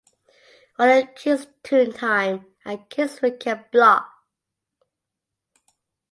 Under "Kidz Toon Time" and "Kidz Weekend" block.